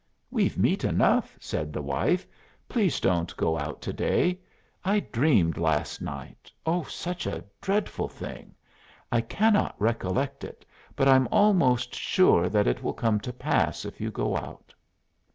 "We've meat enough," said the wife; "please don't go out to day. I dreamed last night, O, such a dreadful thing! I cannot recollect it, but I'm almost sure that it will come to pass if you go out."